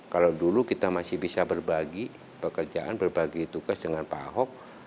kalau dulu kita masih bisa berbagi pekerjaan berbagi tugas dengan pak ahok